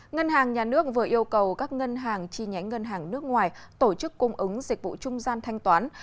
ngân hàng nhà nước vừa yêu cầu các ngân hàng chi nhánh ngân hàng nước ngoài tổ chức cung ứng dịch vụ trung gian thanh toán